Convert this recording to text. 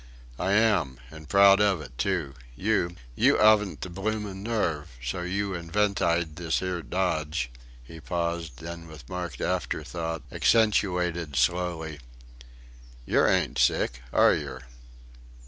"I am... an' proud of it, too. You! You 'aven't the bloomin' nerve so you inventyd this 'ere dodge...." He paused; then with marked afterthought accentuated slowly: "Yer ain't sick are yer?"